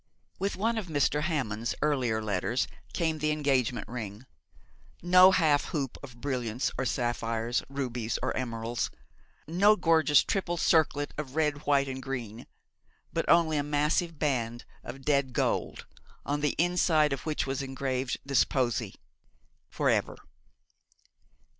With one of Mr. Hammond's earlier letters came the engagement ring; no half hoop of brilliants or sapphires, rubies or emeralds, no gorgeous triple circlet of red, white, and green; but only a massive band of dead gold, on the inside of which was engraved this posy 'For ever.'